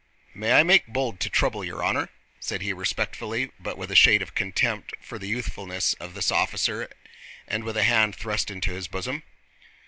"May I make bold to trouble your honor?" said he respectfully, but with a shade of contempt for the youthfulness of this officer and with a hand thrust into his bosom.